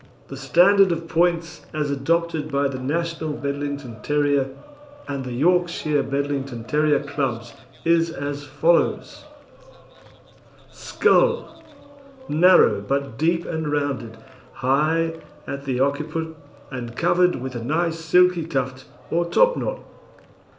The standard of points as adopted by the National Bedlington Terrier and The Yorkshire Bedlington Terrier Clubs is as follows: SKULL Narrow, but deep and rounded; high at the occiput, and covered with a nice silky tuft or topknot.